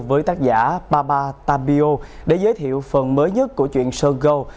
với tác giả papa tapio để giới thiệu phần mới nhất của chuyện sơn gâu